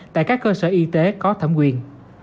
tại các cơ sở y tế có thẩm quyền